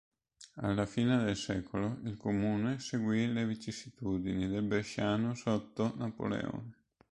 Alla fine del secolo, il comune seguì le vicissitudini del bresciano sotto Napoleone.